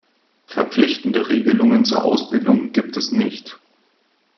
Verpflichtende Regelungen zur Ausbildung gibt es nicht.